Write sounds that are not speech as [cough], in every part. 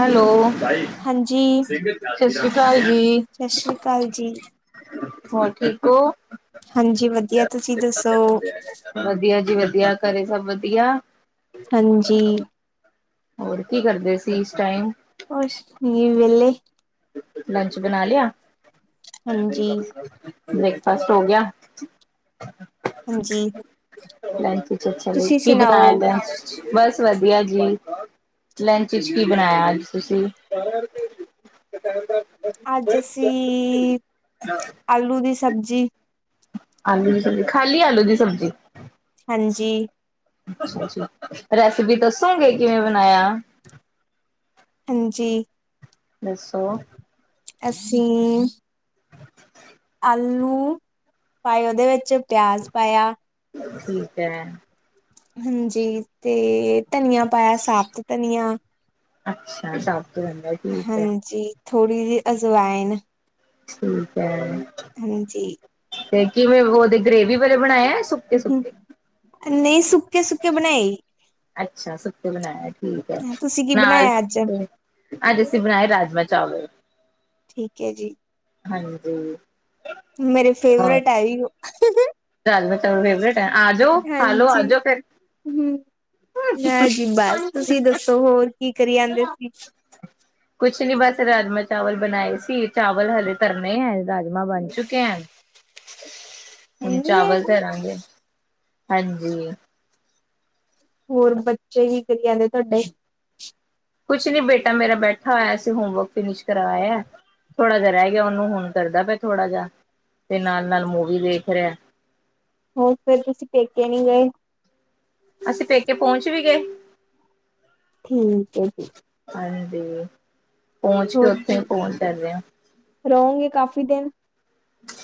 Hello. ਹਾਂਜੀ, ਸਸਰੀ ਕਾਲ ਜੀ, ਸਤਿ ਸ੍ਰੀ ਅਕਾਲ ਜੀ। ਹੋਰ ਠੀਕ ਓ ਹਾਂਜੀ ਵਧੀਆ, ਤੁਸੀਂ ਦੱਸੋ? ਵਧੀਆ ਜੀ ਕਰੇ ਸਭ ਵਧੀਆ ਹਾਂਜੀ। ਹੋਰ ਕੀ ਕਰਦੇ ਸੀ ਇਸ ਟਾਈਮ ਅਸ਼ ਨ [unintelligible] ਵਲੇ ਲੰਚ ਬਣਾ ਲਿਆ ਹੈ ਤੇ ਹਾਂਜੀ, [inaudible] ਬ੍ਰੇਕਫਾਸਟ ਹੋ ਗਿਆ ਹਾਂਜੀ ਲਾਂਜੀ [unintelligible] ਅਛਾ ਜੀ ਤੁਸੀਂ ਕੀ ਬਨਾਲ ਸੁਣਾਓ? ਲਚ' ਚ ਕੀ ਬਣਾਇਆ ਅੱਜ ਤੁਸੀਂ ਕੀ ਬਣਾਇਆ ਅੱਜ ਅਸੀਂ, ਆਲੂ ਦੀ ਸਬਜ਼ੀ ਜੀ ਆਲੂ ਦੀ ਸਬਜ਼ੀ ਖਾਲੀ ਆਲੂ ਦੀ ਸਬਜ਼ੀ ਹਾਂਜੀ, [unintelligible] ਰੈਸਿਪੀ ਦੱਸੋਗੇ ਕਿਵੇਂ ਬਣਾਇਆ । ਹਾਂਜੀ ਦੱਸੋ ਅਸੀਂ ਅਲੂ ਪਏ ਉਹਦੇ ਵਿੱਚ ਪਿਆਜ ਪਾਇਆ ਠੀਕ ਹੈ ਹਾਂਜੀ ਤੇ ਧਨੀਆ ਪਾਇਆ ਸਾਾਬਤ ਧਨੀਆ ਅੱਛਾ [unintelligible] ਬੰਦਾ ਠੀਕ ਹੈ ਥੋੜੀ ਜਿਹੀ ਅਜਵਾੲਨ ਠੀਕ ਹੈ ਹਾਂਜੀੀ ਤੇ ਕੀ ੳ ਗਰੇਵੀ ਵਾਲੇ ਬਣਾਇਆ ਸੁਖਤੇ ਸੁਖਤੇ ਨਹੀਂ ਸੁੱਕੇ ਸੁੱਕੇ ਬਣਾਏ ਅੱਛਾ ਸੁੱਕੇ ਬਣਾਇਆ ਠੀਕ ਹੈ ਤੁਸੀਂ ਕੀ ਨਾਲ ਬਣਾਇਆ ਅੱਜ? ਅੱਜ ਅਸੀਂ ਬਣਾਏ ਰਾਜਮਾ ਚਾਲ ਠੀਕ ਹੈ ਜੀ ਹਾਂਜੀ ਮੇਰੇ ਫੇਵਰੇਟ ਆ ਉਹ ਰਾਜਮ ਚਾਵਲ ਫੇਵਰੇਟ ਹੈ ਆਜੋ ਖਾਲੋ ਹਾਂਜੀ ਆਜੋ ਫਿਰ ਹੂੰ ਲੈ ਜੀ ਬਸ ਤੁਸੀਂ ਦੱਸੋ ਹੋਰ ਕੀ ਕਰੀ ਜਾਂਦੇ ਸੀ? ਕੁਛ ਨੀ ਬਸ ਰਾਜਮਾਂ ਚਾਵਲ ਬਣਾਏ ਸੀ ਚਾਵਲ ਹਲੇ ਤਰਨੇ ਹੈ ਰਾਜਮਾਂ ਬਣ ਚੁੱਕੇ ਹੈ ਹੁਣ ਇੰਨੀ ਚਾਵਲ ਲੇਟ ਧਰਾਂਗੇ ਹਾਂਜੀ ਹੋਰ ਬੱਚੇ ਹੀ ਕਰੀ ਜਾਂਦੇ ਤੁਹਾਡੇ ਕੁਛ ਨੀ ਬੇਟਾ ਮੇਰਾ ਬੈਠਾ ਹੋਇਆ ਅਸੀਂ ਹੋਮਵਰਕ ਫਿਨਿਸ਼ ਕਰਵਾਇਆ ਥੋੜਾ ਜਹਾ ਰਹਿ ਗਿਆ ਉਹਨੂੰ ਹੁਣ ਕਰਦਾ ਪਿਆ ਥੋੜਾ ਜਿ ਤੇ ਨਾਲ ਨਾਲ ਮੂਵੀ ਦੇਖ ਰਿਹਾ ਹੋਰ ਫੇਰ ਤੁਸੀਂ ਪੇਕੇ ਨਹੀਂੀ ਗਏ ਅਸੀਂ ਪੇਕੇ ਪਹੁੰਚ ਵੀ ਗਏ ਠੀਕ ਹੈ ਜੀ ਤੇ ਪਹੁੰਚ ਕੇ ਹੋਰ ਉੱਥੇ ਫੋਨ ਕਰਦੇ ਆ ਕਾਫੀ ਦਿਨ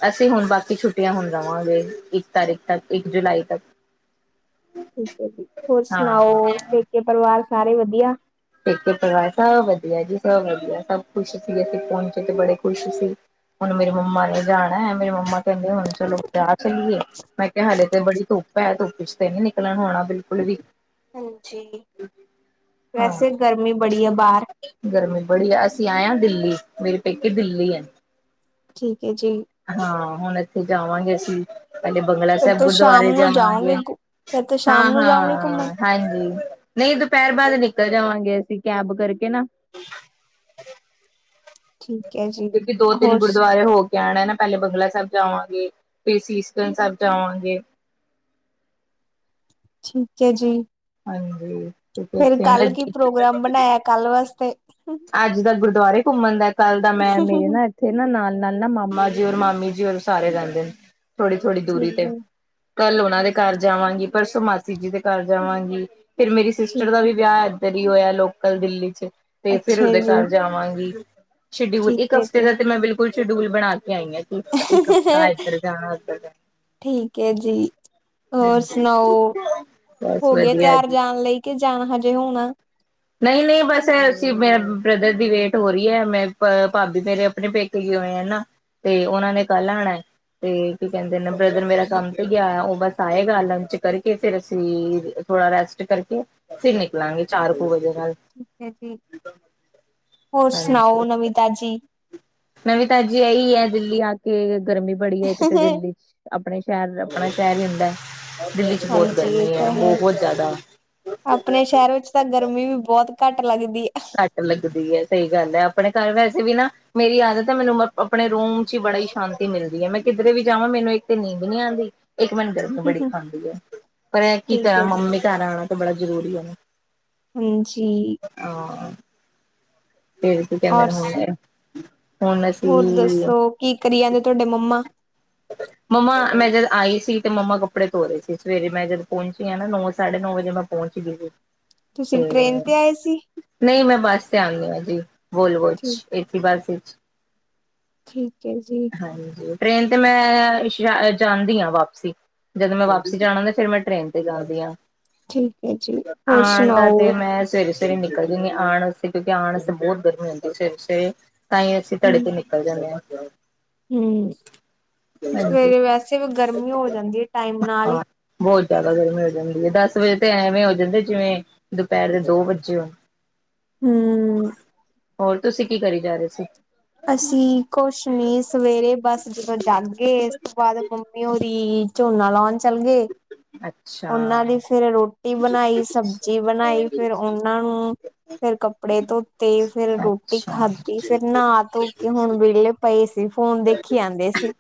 ਅਸੀਂ ਹੁਣ ਬਾਕੀ ਛੁੱਟੀਆਂ ਹੁਣ ਜਾਵਾਂਗੇ ਇੱਕ ਤਾਰੀਖ ਤੱਕ ਇੱਕ ਜੁਲਾਈ ਤੱਕ ਠੀਕ ਹੈ ਜੀ, ਹੋਰ ਹਾਂ ਸੁਣਾਓ ਪੇਕੇ ਪਰਿਵਾਰ ਸਾਰੇ ਵਧੀਆ ਠੇਕੇ ਪਰਵ ਸਭ ਵਧੀਆ ਜੀ ਸਭ ਵਧੀਆ ਸਭ ਖੁਸ਼ ਸੀ ਅਸੀਂ ਪਹੁੰਚ ਤੇ ਬੜੇ ਖੁਸ਼ ਸੀ ਹੁਣ ਮੇਰੇ ਮੰਮਾ ਨੇ ਜਾਣਾ ਹੈ ਮੇਰੇ ਮੰਮਾ ਕਹਿੰਦੇ ਹੁਣ ਚਲੋ ਵਿਆਹ ਚੱਲੀਏ ਮੈਂ ਕਿਹਾ ਹਾਲੇ ਤੇ ਬੜੀ ਧੁੱਪ ਹੈ ਧੁੱਪ ਚ ਤੇ ਨੀ ਨਿਕਲਣ ਹੋਣਾ ਬਿਲਕੁਲ ਵੀ ਹਾਂਜੀ ਹਾਂ ਵੈਸੇ ਗਰਮੀ ਬੜੀ ਹੈ ਬਾਹਰ ਗਰਮੀ ਬੜੀ ਆ ਅਸੀਂ ਆਏ ਹਾਂ ਦਿੱਲੀ ਮੇਰੇ ਪੇਕੇ ਦਿੱਲੀ ਆ ਠੀਕ ਹੈ ਜੀ ਹਾਂ ਹੁਣ ਇੱਥੇ ਜਾਵਾਂਗੇ ਅਸੀਂ ਪਹਿਲੇ ਬੰਗਲਾ ਫਿਰ ਸਾਹਿਬ ਤਾਂ ਸ਼ਾਮ ਗੁਰਦੁਆਰੇ ਨੂੰ ਜਾਵਾਂਗੇ ਜਾਓਗੇ ਫਿਰ ਤਾਂ ਸ਼ਾਮ ਹਾਂ ਨੂੰ ਹਾਂ ਜਾਓਗੇ ਘੁੰਮਣ ਹਾਂਜੀ ਨਹੀਂ ਦੁਪਹਿਰ ਬਾਅਦ ਨਿਕਲ ਜਾਵਾਂਗੇ ਅਸੀਂ ਕੈਬ ਕਰਕੇ ਨਾ ਠੀਕ ਹੈ ਜੀ ਕਿਉਂਕਿ ਦੋ ਤਿੰਨ ਹੋਰ ਗੁਰਦੁਆਰੇ ਹੋਕੇ ਜਾਣਾ ਨਾ ਪਹਿਲੇ ਬੰਗਲਾ ਸਾਹਿਬ ਜਾਵਾਂਗੇ ਫਿਰ ਸੀਸਗਜ ਸਾਹਿਬ ਜਾਵਾਂਗੇ ਠੀਕ ਹੈ ਜੀ ਹਾਂਜੀ ਕਿਉਂਕਿ ਫੇਰ ਇੱਥੇ ਕੱਲ ਕੀ ਨਾ ਪ੍ਰੋਗਰਾਮ ਬਣਾਇਆ ਕੱਲ ਵਾਸਤੇ ਅੱਜ ਦਾ ਗੁਰਦੁਆਰੇ ਘੁੰਮਣ ਦਾ ਕੱਲ ਦਾ ਮੈਂ ਮੇਰੇ ਨਾ ਇੱਥੇ ਨਾ ਨਾਲ ਨਾਲ ਨਾ ਮਾਮਾ ਜੀ ਔਰ ਮਾਮਾ ਮੰਮੀ ਜੀ ਵੱਲ ਸਾਰੇ ਜਾਂਦੇ ਨੇ ਥੋੜੀ, ਥੋੜੀ ਦੂਰੀ ਠੀਕ ਤੇ ਹੈ, ਕਾਲ ਉਹਨਾ ਦੇ ਘਰ ਜਾਵਾਂਗੀ ਪਰਸੋ ਮਾਸੀ ਜੀ ਦੇ ਘਰ ਜਾਵਾਂਗੀ। ਫਿਰ ਮੇਰੀ ਸਿਸਟਰ ਦਾ ਵੀ ਵਿਆਹ ਹੈ। ਜਰੀ ਹੋਇਆ ਲੋਕਲ ਦਿੱਲੀ ਚ ਤੇ ਫਿਰ ਅੱਛਾ ਉਹਦੇ ਜੀ, ਘਰ ਜਾਵਾਂਗੀ। ਸ਼ੇਡਿਲ ਠੀਕ ਇੱਕ ਹੈ ਹਫਤੇ ਜੀ। ਦਾ ਤੇ ਮੈਂ ਬਿਲ ਫੂਲ ਸ਼ਡੂਲ ਬਣਾ ਕੇ ਆਈ ਹਾਂ ਕਿ ਇੱਕ ਹਫ਼ਤਾ ਇੱਧਰ ਜਾਣਾ ਉੱਧਰ ਜਾਣਾ ਠੀਕ ਹੈ ਜੀ, ਹੋਰ ਹਾਂਜੀ ਸੁਣਾਓ ਬਸ ਹੋ ਗਏ ਵਧੀਆ ਤਿਆਰ ਜੀ ਆਣ ਲਈ ਕਿ ਜਾਣਾ ਹਜੇ ਤੇ ਹੁਣ ਨਹੀਂ, ਨਹੀਂ ਬਸਸੀਂ ਮੇ ਬ੍ਰਦਰ ਦੀ ਵੇਟ ਹੋ ਰਹੀ ਹੈ, ਮੈਂ ਭਾਬੀ ਮੇਰੇ ਆਪਣੇ ਪੇਕੇ ਹੀ ਹੋਏ ਆ ਨਾ ਤੇ ਉਹਨਾਂ ਨੇ ਕੱਲ ਆਉਣਾ ਤੇ ਕੀ ਕਹਿੰਦੇ ਬਰਦਰ ਮੇਰਾ ਕੰਮ ਤੇ ਗਿਆ ਹੋਆ ਉਹ ਬਸ ਆਏ ਲੰਚ ਕਰਕੇ ਫੇਰ ਅਸੀਂ ਥੋੜਾ ਰੈਸਟ ਕਰਕੇ ਫੇਰ ਨਿਕਲਾਂਗੇ ਚਾਰ ਕੁੂ ਠੀਕ ਹੈ ਜੀ, ਹੋਰ ਸੁਣਾਓ ਨਵੀਂ ਤਾਜੀ ਨਵੀ ਤਾਜੀ ਇਹੀ ਹੈ ਦਿੱਲੀ ਆ ਕੇ ਗਰਮੀ ਬੜੀ ਹੈ, ਇੱਕ ਤੇ ਦਿੱਲੀ ਆਪਣੇ ਸ਼ਹਿਰ ਆਪਣਾ ਸ਼ਹਿਰ ਹੀ ਹੁੰਦਾ। ਦਿੱਲੀ ਚ ਬਹੁਤ ਹਾਂਜੀ ਇਹ ਗਰਮੀ ਤਾਂ ਹੈ, ਬਹੁਤ ਜ਼ਿਆਦਾ ਆਪਣੇ ਸ਼ਹਿਰ ਵਿੱਚ ਤਾਂ ਗਰਮੀ ਵੀ ਬਹੁਤ ਘੱਟ ਲੱਗਦੀ ਘੱਟ ਲੱਗਦੀ ਹੈ। ਸਹੀ ਗੱਲ ਹੈ ਆਪਣੇ ਘਰ ਵੈਸੇ ਵੀ ਨਾ ਮੇਰੀ ਆਦਤ ਹੈ ਮੈਨੂੰ ਆਪਣੇ ਰੂਮ ਚ ਹੀ ਬੜਾ ਹੀ ਸ਼ਾਂਤੀ ਮਿਲਦੀ ਹੈ, ਮੈਂ ਕਿਧਰੇ ਵੀ ਜਾਵਾਂ ਮੈਨੂੰ ਇੱਕ ਤੇ ਨੀਂਦ ਨੀ ਆਉਂਦੀ। ਇੱਕ ਮੈਨ ਗਰਮੀ ਹੈ। ਬੜੀ ਖਾਂਦੀ ਹੈ। ਪਰ ਕੀ ਠੀਕ ਕਰਾਂ ਹੈ ਜੀ, ਮੰਮੀ ਘਰ ਆ ਬੜਾ ਜਰੂਰੀ ਹੈ। ਹਾਂਜੀ [unintelligible] ਫੇਰ ਕੀ ਕਹਿੰਦੇ ਔਰ ਨੇ ਹੋਏ ਨੇ [inaudible] ਹੋਰ ਦੱਸੋ ਕੀ ਕਰੀ ਜਾਂਦੇ ਤੁਹਾਡੇ ਮੰਮਾ ਮੰਮਾ ਮੇਰੇ ਨਾ ਆਈ ਸੀ ਤੇ ਮੰਮਾ ਕੱਪੜੇ ਧੋ ਰਹੇ ਸੀ, ਸਵੇਰੇ ਮੈਂ ਜਦੋਂ ਪਹੁੰਚੀ ਹ ਨਾ ਨੌ ਸਾਢੇ ਨੌ ਵਜੇ ਮੈਂ ਪਹੁੰਚ ਗਈ ਸੀ। ਤੁਸੀਂ ਟ੍ਰੇਨ ਤੇ ਆਏ ਸੀ? ਬਸ ਤੇ ਆਣੀ ਆ ਜੀ। ਬੋਲਵੋਜ ਠੀਕ, ਏਸੀ ਬਸ [inaudible] ਠੀਕ ਹੈ ਜੀ। ਟ੍ਰੇਨ ਤੇ ਮੈਂ ਸ਼ਾਯਦ ਜਾਂਦੀ ਹਾਂ ਵਾਪਸੀ, ਜਦੋਂ ਮੈਂ ਵਾਪਸੀ ਜਾਣਾ ਹੁੰਦਾ ਫਿਰ ਮੈਂ ਟ੍ਰੇਨ ਤੇ ਜਾਂਦੀ ਹਾਂ। ਠੀਕ ਹੈ ਜੀ, ਹੋਰ ਸੁਨਾਓ? ਸੁਵੇਰੇ ਨਿਕਲ ਦੇ ਨੇਂ, ਆਣ ਵਾਸਤੇ ਤੇ ਜਾਣ ਵਾਸਤੇ ਬਹੁਤ ਗਰਮੀ ਹੁੰਦੀ ਹੈ ਸੁਵੇਰੇ-ਸੁਵੇਰੇ। ਤਾਂ ਹੀ ਅਸੀ ਤੜਕੇ ਨਿਕ [inaudible] ਹਮ ਸ ਹਾਂਜੀ ਸੁਵੇਰੇ ਵੈਸੇ ਵੀ ਗਰਮੀ ਹੋ ਜਾਂਦੀਏ ਟਾਈਮ ਨਾਲ ਈ। ਜਿਆਦਾ ਗਰਮੀ ਹੋ ਜਾਂਦੀ ਹੈ, ਦਸ ਵਜੇ ਤੇ ਐਵੇਂ ਹੋ ਜਾਂਦਾਏ ਜਿਵੇਂ ਦੁਪਹਿਰ ਦੇ ਦੋ ਵੱਜੇ ਹੋਂ। ਹਮ ਹੋਰ ਤੁਸੀ ਕੀ ਕਰੀ ਜਾ ਰਹੇ ਸੀ। ਅਸੀ ਕੁਛ ਨੀ, ਸੁਵੇਰੇ ਬਸ ਜਦੋਂ ਗੰਦ ਗੇ, ਇਸ ਤੋ ਬਾਅਦ ਮੰਮੀ ਹੋਰੀ ਝੋਨਾ ਲਾਉਨ ਚੱਲ ਗਏ, ਅੱਛਾ ਉਹਨਾਂ ਦੀ ਫੇਰ ਰੋਟ ਟੀ ਬਨਾਈ, ਸਬਜ਼ੀ ਬਨਾਈ ਫੇਰ ਉਹਨਾਂ ਨੂੰ, ਫੇਰ ਕੱਪੜੇ ਧੋਤੇ, ਫਿਰ ਰੋਟੀ ਅੱਛਾ ਖਾਧੀ, ਫਿਰ ਨਹਾ ਧੋ ਕੇ ਹੁਣ ਵਿਹਲੇਆ ਤਾਂ ਹੀ ਅਸੀ। ਫੋਨ ਦੇਖੀ ਆਉਂਦੇ ਸੀ।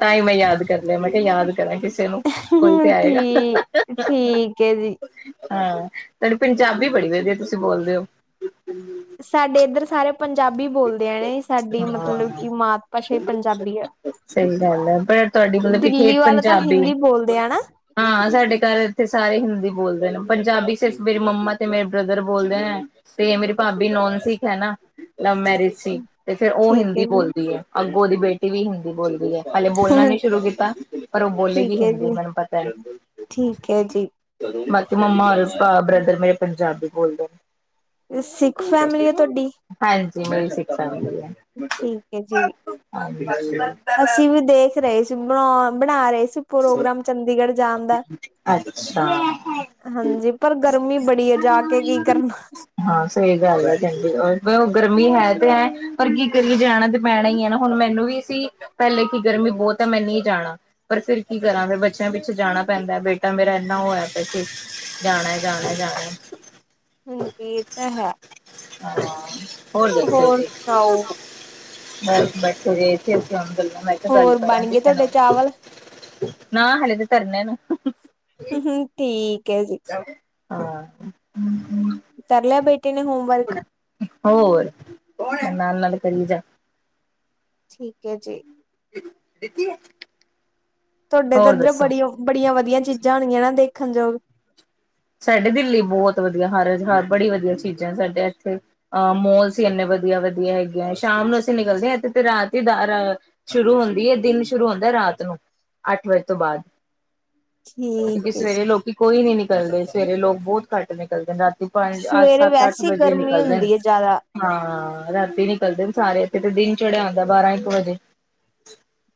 ਤਾਂ ਹੀ ਮੈਂ ਯਾਦ ਕਰ ਲਿਆ, ਮੈਂ ਕਿਹਾ ਯਾਦ ਕਰਾਂ ਕਿਸੇ ਨੂੰ ਕੋਈ ਹੁਹ ਤੇ ਹੰ ਠੀ ਆਏਗਾ ਠੀਕ ਏ ਜੀ। ਹਾਂ ਤੁਹਾਨੂੰ ਪੰਜਾਬੀ ਬੜੀ ਵਧੀਆ ਤੁਸੀ ਬੋਲਦੇ ਹੋ। ਸਾਡੇ ਇੱਧਰ [inaudible] ਸਾਰੇ ਪੰਜਾਬੀ ਬੋਲਦੇ ਆ ਨੇ ਸਾਡੀ ਮਤਲਬ ਹਾਂ ਕਿ ਮਾਤ [inaudible] ਭਾਸ਼ਾ ਹੀ ਪੰਜਾਬੀ ਆ। ਸਹੀ ਗੱਲ ਐ ਪਰ ਤੁਹਾਡੀ ਮਤਲਬ ਕਿ ਦਿੱਲੀ ਠੇਠ ਵਾਲਾ ਤਾਂ ਪੰਜਾਬੀ ਹਿੰਦੀ ਏ, ਬੋਲਦੇ ਆ ਨਾ ਹਾਂ ਸਾਡੇ ਘਰ ਇੱਥੇ ਸਾਰੇ ਹਿੰਦੀ ਬੋਲਦੇ ਨੇ। ਪੰਜਾਬੀ ਸਿਰਫ਼ ਮੇਰੀ ਮੰਮਾ ਤੇ ਮੇਰੇ ਬ੍ਰਦਰ ਬੋਲਦੇ ਐਂ, ਤੇ ਮੇਰੀ ਭਾਬੀ ਨੋਨ ਸਿੱਖ ਹੈ ਨਾ। ਲਵ ਮੈਰਿਜ ਸੀ, ਤੇ ਫਿਰ ਉਹ ਠੀਕ ਹਿੰਦੀ ਹੈ ਜੀ ਬੋਲਦੀ ਏ। ਅੱਗੋਂ ਓਹਦੀ ਬੇਟੀ ਵੀ ਹਿੰਦੀ ਬੋਲਦੀ ਏ। ਹਲੇੇ ਬੋਲਨਾ ਨੀ ਸ਼ੁਰੂ ਕੀਤਾ, ਪਰ ਉਹ ਬੋਲੇਗੀ ਠੀਕ ਹੈ ਹਿੰਦੀ ਜੀ ਮੈਨੂੰ ਪਤਾ ਏ, ਠੀਕ ਹੈ ਜੀ ਬਾਕੀ ਮੰਮਾ ਔਰ ਆਹ ਬ੍ਰਦਰ ਮੇਰੇ। ਪੰਜਾਬੀ ਬੋਲਦੇ। ਅ ਸਿੱਖ ਫੈਮਿਲੀ ਹੈ ਤੁਹਾਡੀ। ਜੀ ਮੇਰੀ ਸਿੱਖ ਫੈਮਿਲੀ ਐ। ਠੀਕ ਹੈ ਜੀ। ਅਸੀਂ ਵੀ ਦੇਖ ਰਹੇ ਸੀ ਬਣਾ ਬਣਾ ਰਹੇ ਪ੍ਰੋਗਰਾਮ ਚੰਡੀਗੜ੍ਹ ਜਾਣ ਦਾ ਅਛਾ ਹਾਂਜੀ ਪਰ ਗਰਮੀ ਬੜੀ ਹੈ ਜਾ ਕੇ ਕੀ ਕਰਨਾ ਹਾਂ ਸਹੀ ਗੱਲ ਆ ਚੰਡੀਗੜ ਉਹ ਗਰਮੀ ਗਰਮੀ ਹੈ ਤੇ ਹੈਂ, ਪਰ ਕੀ ਕਰੀਏ ਜਾਣਾ ਤੇ ਪੈਣਾ ਹੀ ਹੈ ਨਾ ਹੁਣ ਮੈਨੂੰ ਵੀ ਸੀ ਪਹਿਲੇ ਕੀ ਗਰਮੀ ਬਹੁਤ ਹੈ, ਮੈਂ ਨਹੀਂ ਜਾਣਾ ਪਰ ਫੇਰ ਕੀ ਕਰਾਂ ਫਰ ਬੱਚਿਆਂ ਪਿ ਪਿਛੇ ਜਾਣਾ ਪੈਂਦਾ ਬੇਟਾ ਮੇਰਾ ਇੰਨਾ ਹੋਇ ਪੇ ਜਾਣਾ, ਜਾਣਾ, ਜਾਣਾ। ਹਾਂਜੀ ਇਹ ਹੈ। ਹਾਂ ਹੋਰ ਸੁਣਾਓ। ਬਸ-ਬਸ [unintelligible] ਚਲੋ ਮੈਂ ਕਿਹਾ ਗੱਲ ਹੋਰ ਬਣ ਕਰਾਂਗੀ, ਗਏ ਤੁਹਾਡੇ ਚਾਵਲ ਨਾ ਹਲੇੇ ਕਰਨੇ ਨੂੰ ਹਮ-ਹਮ ਠੀਕ ਹੈ। ਜੀ ਚ [unintelligible] ਹਾਂ ਤਰ ਲ ਬੇ ਤੇ ਨੇ ਹੋਮਵਰਕ। ਹੋਰ ਨਾਲ-ਨਾਲ ਕਰੀ ਜਾ। ਠੀਕ ਹੈ ਜੀ। ਦਿੱਤੀ ਹੈ। ਤੁਹਾਡੇ ਤਾਂ ਇੱਧਰ ਬੜੀ ਉਹ ਬੜੀਆਂ ਵਧੀਆ ਚੀਜ਼ਾਂ ਹੋਣਗੀਆਂ ਨਾ ਦੇਖ ਖੰਜੋ ਸਾਡੇ ਦਿੱਲੀ ਬਹੁਤ ਵਧੀਆ ਹਰਜ਼ਹਾਰ ਬੜੀ ਵਧੀਆ ਚੀਜ਼ਾਂ ਸਾਡੇ ਇੱਥੇ, ਅਹ ਮੋਲਸ ਹੀ ਇੰਨੇ ਵਧੀਆ ਵਧੀਆ ਹੈਗੇ ਆ, ਸ਼ਾਮ ਨੂੰ ਅਸੀਂ ਨਿਕਲਦੇ ਹਾਂ ਇਥੇ ਤੇ ਰਾਤ ਹੀ ਸ਼ੁਰੂ ਹੁੰਦੀ ਹੈ, ਦਿਨ ਸ਼ੁਰੂ ਹੁੰਦਾ ਰਾਤ ਨੂੰ ਅੱਠ ਵਜੇ ਤੋਂ ਬਾਦ। ਕਿਉਂਕਿ ਠੀਕ ਹੈ। ਸਵੇਰੇ ਲੋਕੀ ਕੋਈ ਨੀ ਨਿ [unintelligible] ਸਵੇਰੇ ਲੋਕ ਬਹੁਤ ਘੱਟ ਨਿਕਲਦੇ ਨੇ ਰਾ ਪੰਜ, ਅੱਠ, ਸਵੇਰੇ ਸੱਤ, ਅੱਠ ਵੈਸੇ ਹੀ ਵਜੇ ਗਰਮੀ ਨਿਕਲਦੇ ਨੇ ਹੁੰਦੀ ਹੈ ਜ਼ਿਆਦਾ ਹਾਂ। ਰਾਤੀ ਨਿਕਲਦੇ ਸਾਰੇ ਇੱਥੇ ਤੇ ਦਿਨ ਚੜਿਆ ਹੁੰਦਾ ਬਾਰਾਂ ਇੱਕ ਵਜੇ।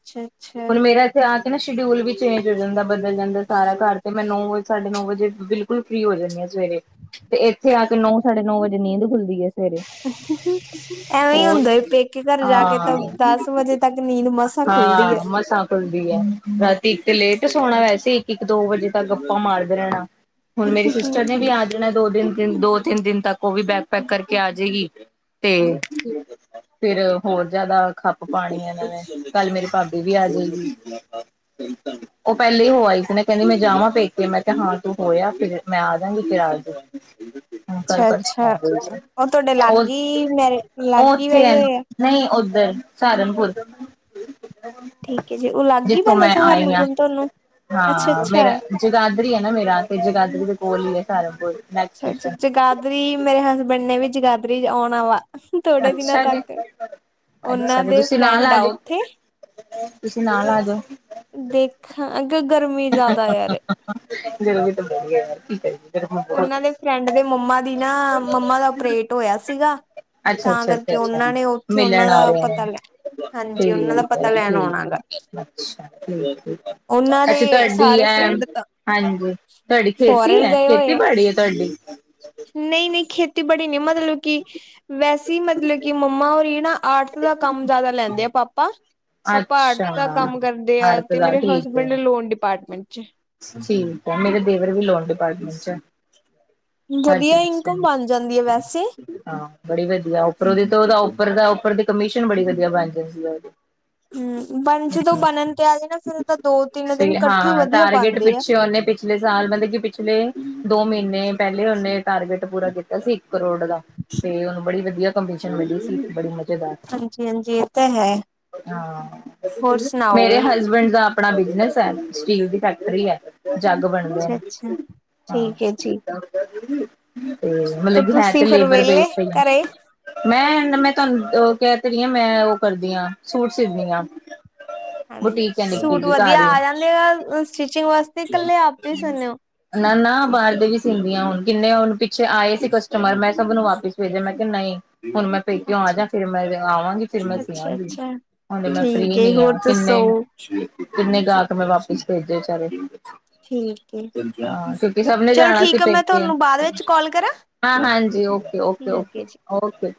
ਛਾ-ਛਾ ਹੁਣ ਮੇਰਾ ਇੱਥੇ ਆ ਕੇ ਨਾ ਸ਼ਡਿਊਲ ਵੀ ਚੇਂਜ ਹੋ ਜਾਂਦਾ। ਬਦਲ ਜਾਂਦਾ ਸਾਰਾ ਘਰ ਤੇ ਮੈਂ ਨੌ ਵਜੇ, ਸਾਢੇ ਨੌ ਵਜੇ ਬਿਲਕੁਲ ਫ੍ਰੀ ਹੋ ਜਾਂਦੀ ਆ ਸਵੇਰੇ ਤੇ ਇੱਥੇ ਆ ਕੇ ਨੌ ਸਾਢੇ ਨੌ ਵਜੇ ਨੀਂਦ ਖੁੱਲਦੀ ਹੈ। ਸਵੇਰੇ ਐਵੇਂ ਹੀ ਹੋਰ ਹੁੰਦਾ ਪੇਕੇ ਘਰ ਜਾ ਕੇ ਤਾਂ ਹਾਂ ਦਸ ਵਜੇ ਤੱਕ ਨੀਂਦ ਮਸਾਂ ਖੁੱਲਦੀ ਹੈ। ਖੂਲਦੀ ਹੈ, ਰਾਤੀ ਇੱਕ ਲੇਟ ਸੋਣਾ ਵੈਸੇ ਇੱਕ-ਇੱਕ ਦੋ ਵਜੇ ਤੱਕ ਗੱਪਾ ਮਾਰਦੇ ਰਹਿਣਾ। ਹੁਣ ਮੇਰੀ ਸਿਸਟਰ ਨੇ ਵੀ ਆ ਜਾਣਾ ਦੋ ਦਿਨ ਤਿੰਨ ਦੋ ਤਿੰਨ ਦਿਨ ਤੱਕ ਉਹ ਵੀ ਬੈਕ ਪੈਕ ਕਰਕੇ ਆ ਜਾੇਗੀ ਤੇ ਅੱਛਾ ਫਿਰ ਹੋਰ ਜਿਆਦਾ ਖੱਪ ਪਾਣੀ ਇਹਨਾਂ ਨੇ ਕੱਲ ਮੇਰੇ ਭਾਬੀ ਵੀ ਆ ਜਾਈ ਉਹ ਪਹਿਲੇ ਹੋ ਆਈ ਸੀ ਨਾ ਕਹਿੰਦੀ ਮੈਂ ਜਾਮਾ ਪੇਕੇਿਆ ਮੈਂ ਕਿਹਾ ਹਾਂ ਤੂੰ ਹੋਇਆ ਫਿਰ ਮੈਂ ਆ ਜਾਗੀ ਫਿਰ ਆ ਜਾਓ - ਅੱਛਾ ਅੱਛਾ ਉਹ ਤੁਹਾਡੇ ਉਹ ਲਾਗੇ ਹੀ ਮੇਰੇ ਲਾਗੇ ਉਹ ਹੀ ਉੱਥੇ ਬਹੀ ਹੈ ਹੋਏ ਆ ਨਹੀਂ ਸਹਾਰਨਪੁਰ- ਠੀਕ ਹੈ ਜੀ ਉਹ ਲਾਗੇ ਹੀ ਜਿੱਥੋਂ ਪੈਂਦਾ ਮੈਂ ਆਈ ਹਾਂ ਸਹਾਰਨਪੁਰ ਤੁਹਾਨੂੰ ਅੱਛਾ ਹਾਂ ਅੱਛਾ ਮੇਰਾ ਜਗਾਦਰੀ ਆ ਨਾ ਮੇਰਾ ਤੇ ਜਗਾਦਰੀ ਵਿੱਚ ਬਏ [inaudible] ਅੱਛਾ ਅੱਛਾ ਜਗਾਦਰੀ ਮੇਰੇ ਹਸਬੈਂਡ ਨੇ ਵੀ ਜਗਾਧਰੀ ਚ ਆਉਣਾ ਵਾ ਥੋੜੇ ਦਿਨਾਂ ਅੱਛਾ ਜੀ ਤੱਕ ਅੱਛਾ ਉਹਨਾਂ ਤੇ ਦੇ ਤੁਸੀਂ ਨਾਲ ਫਰੈਂਡ ਆ ਉਓਥੇ ਜਾਓ ਤੁਸੀਂ ਨਾਲ ਆ ਜਾਓ ਦੇਖਾਂ ਅਗਰ ਗਰਮੀ ਜ਼ਿਆਦਾ ਯਾਰ ਚੱਲ ਯਾਰ ਕੀ ਕਰੀਏ ਫਿਰ ਹੁਣ ਬਹੁਤ ਉਹਨਾਂ ਹੈ। ਦੇ ਫਰੈਂਡ ਦੇ ਮੰਮਾ ਦੀ ਨਾ ਮੰਮਾ ਦਾ ਓਪਰੇਟ ਹੋਇਆ ਸੀਗਾ ਅੱਛਾ ਤਾਂ ਅੱਛਾ ਕਰਕੇ ਅਛਾ ਉਹਨਾਂ ਨੇ ਉੱਥੇ ਮਿਲਣ ਉਹਨਾਂ ਆ ਦਾ ਰਹੇ ਪਤਾ ਲੈ ਹਾਂਜੀ ਉਹਨਾਂ ਨੇ ਦਾ ਪਤਾ ਲੈਣ ਆਉਣਾ ਗਾ ਅੱਛਾ ਉਹਨਾਂ ਦੇ ਤੁਹਾਡੀ ਸਾਰੇ ਹੈ ਫਰੈਂਡ ਤਾਂ ਹਾਂਜੀ ਤੁਹਾਡੀ ਖੇਤੀ ਫੋਰਨ ਹੈ ਗਏ ਖੇਤੀ ਹੋਏ ਆ ਬੜੀ ਹੈ ਤੁਹਾਡੀ ਨਹੀਂ ਨਹੀਂ ਖੇਤੀਬੜੀ ਨਿਮਤ ਮਤਲਬ ਕਿ ਵੈਸੇ ਅਸੀਂ ਮਤਲਬ ਕਿ ਮੰਮਾ ਹੋਰ ਨਾ ਆਰਟ ਦਾ ਕੰਮ ਜ਼ਿਆਦਾ ਲੈਂਦੇ ਆ ਪਾਪਾ ਪਾਪਾ ਆਰਟ ਅੱਛਾ ਦਾ ਕੰਮ ਕਰਦੇ ਆ ਅੜਤ ਤੇ ਦਾ ਮੇਰੇ ਠੀਕ ਹੈ ਹਸਬੈਂਡ ਲੋਨ ਡਿਪਾਰਟਮੈਂਟ ਚ ਠੀਕ ਹੈ ਮੇਰੇ ਦੇਵਰ ਵੀ ਲੋਨ ਡਿਪਾਰਟਮੈਂਟ ਚ ਹੈ ਵਧੀਆ ਹਾਂਜੀ ਇਨਕਮ ਬਣ ਜਾਂਦੀ ਹੈ ਵੈਸੇ ਹਾਂ ਬੜੀ ਵਧੀਆ ਉਪਰ ਉਹਦੇ ਤੋਂ ਉਹਦਾ ਉੱਪਰ ਦਾ ਉਪਰ ਦੀ ਕਮਿਸ਼ਨ ਬੜੀ ਵਧੀਆ ਬਣ ਜਾਂਦੀ ਸੀ ਹਮ ਬਣ ਜਦੋਂ ਬਣਨ ਤੇ ਆ ਜਾਏ ਨਾ ਫਿਰ ਤਾਂ ਦੋ ਤਿੰਨ ਦਿਨ ਸਹੀ ਇਕੱਠੇ ਹਾਂ ਵਧੀਆ ਟਾਰਗੇਟ ਬਣਦੇ ਆ ਪਿੱਛੇ ਉਹਨੇ ਪਿਛਲੇ ਸਾਲ ਮਤਲਬ ਕਿ ਪਿਛਲੇ ਦੋ ਮਹੀਨੇ ਪਹਿਲੇ ਉਹਨੇ ਟਾਰਗੇਟ ਪੂਰਾ ਕੀਤਾ ਸੀ ਇੱਕ ਕਰੋੜ ਦਾ ਤੇ ਉਹਨੂੰ ਬੜੀ ਵਧੀਆ ਕੰਪੀਟੀਸ਼ਨ ਮਿਲੀ ਸੀ ਬੜੀ ਹਾਂਜੀ ਹਾਂਜੀ ਇਹ ਤਾਂ ਹੈ। ਹੋਰ ਮੇਰੇ ਸੁਣਾਓ? ਹਸਬੈਂਡ ਦਾ ਆਪਣਾ ਬਿਜਨਸ ਹੈ ਸਟੀਲ ਦੀ ਫੈਕਟਰੀ ਹੈ ਜੱਗ ਬਣਦੇ ਅੱਛਾ ਨੇ ਅੱਛਾ ਠੀਕ ਹੈ ਜੀ ਹੀ ਤੇ ਮਤਲਬ ਕੀ ਹੈ ਤੇ ਤੁਸੀਂ ਫਿਰ ਲੇਬਰ ਵਿਹਲੇ ਬੇਸ ਹੀ ਘਰੇ? ਮੈਂ ਮੈਂ ਤੁਹਾਨੂੰ ਕਹਿ ਤੇਰੀ ਹ ਮੈਂ ਉਹ ਕਰਦੀ ਹਾਂ ਸੂਟ ਸੀਦੀ ਹਾਂ ਹਾਂਜ, ਬੁਟੀਕ ਹੈ ਨਿੱਕੀ ਸੂਟ ਜੀ ਘਰ ਵਧੀਆ ਹੀ ਆ ਜਾਂਦੇ ਆ ਸਟਿਚਿੰਗ ਵਾਸ ਤੇ ਕੱਲੇ ਆਪੇ ਈ ਸੀਣੇ ਔ। ਨਾ ਨਾ ਬਾਰ ਦੇ ਵੀ ਸੀਂਦੀਆਂ ਹੁਣ ਕਿੰਨੇ ਹੁਣ ਪਿੱਛੇ ਆਏ ਸੀ ਕਸਟਮਰ ਮੈਂ ਸਭ ਨੂੰ ਵਾਪਿਸ ਭੇਜਿਆ, ਮੈਂ ਕਿਆ ਨਹੀਂ। ਹੁਣ ਮੈਂ ਪੇਕੇਉ ਆ ਜਾ ਅੱਛਾ ਫਿਰ ਮੈਂ ਜ ਆਵਾਂਗੀ, ਫਿਰ ਮੈਂ ਸੀ ਅੱਛਾ ਆਗੀ। ਅੱਛਾ। ਹੁਣ ਮੈਂ ਠੀਕ ਫ੍ਰੀ ਏ ਨੀ ਆ ਹੋਰ ਕਿੰਨੇ, ਦੱਸੋ? ਕਿੰਨੇ ਗਾਕ ਮੈਂ ਵਾਪਿਸ ਭੇਜੇ ਚਾਰੇ। ਠੀਕ ਏ। ਕਿਂ ਕਿਆ ਆ ਕਿਉਂਕਿ ਸਭ ਨੇ ਚਲੋ ਜਾਣਾ ਸੀ ਠੀਕ ਆ ਮੈਂ ਪੇਕੇ, ਤੁਹਾਨੂੰ ਬਾਅਦ ਵਿੱਚ ਕਾਲ ਕਰਾਂ? ਹਾਂ ਹਾਂਜੀ ਓਕੇ ਓਕੇ ਠੀਕ ਓਕੇ ਹੈ ਜੀ। ਓਕੇ।